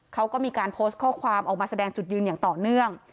เขาก็มีการโพสต์ข้อความออกมาแสดงจุดยืนอย่างต่อเนื่อง